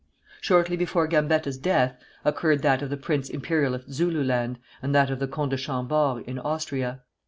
Shortly before Gambetta's death, occurred that of the Prince Imperial in Zululand, and that of the Comte de Chambord in Austria.